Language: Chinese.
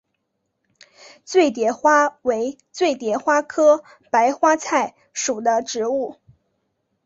醉蝶花为醉蝶花科白花菜属的植物。